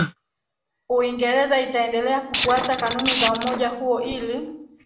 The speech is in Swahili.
Uingereza itaendelea kufuata kanuni za umoja huo ili